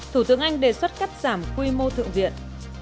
thủ tướng anh đề xuất cắt giảm quy mô thượng viện